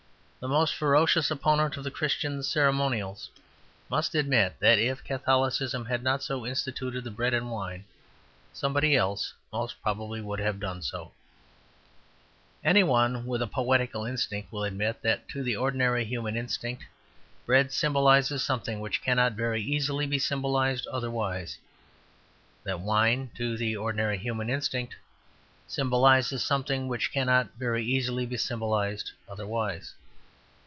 The most ferocious opponent of the Christian ceremonials must admit that if Catholicism had not instituted the bread and wine, somebody else would most probably have done so. Any one with a poetical instinct will admit that to the ordinary human instinct bread symbolizes something which cannot very easily be symbolized otherwise; that wine, to the ordinary human instinct, symbolizes something which cannot very easily be symbolized otherwise.